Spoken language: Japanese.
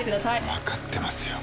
わかってますよ。